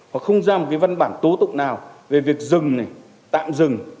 hoặc không ra một cái văn bản tố tụng nào về việc dừng này tạm dừng